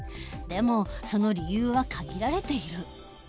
でもその理由は限られている。